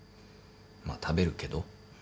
まあ食べるけど。